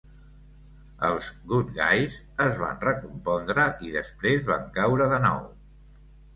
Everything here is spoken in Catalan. Els "Good Guys" es van recompondre i després van caure de nou.